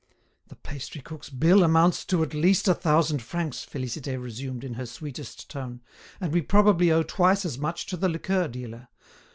"The pastry cook's bill amounts to at least a thousand francs," Félicité resumed, in her sweetest tone, "and we probably owe twice as much to the liqueur dealer.